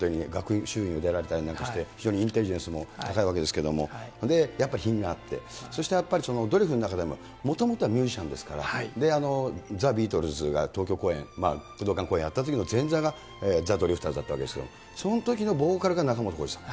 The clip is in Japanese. ですから、仲本さんって本当に、学習院を出られたりなんかして、非常にインテリジェンスも高いわけですけれども、やっぱり品があって、そしてやっぱり、ドリフの中でも、もともとはミュージシャンですから、ザ・ビートルズが東京公演、武道館公演やったときの前座が、ザ・ドリフターズだったわけですけれども、そのときのボーカルが仲本工事さん。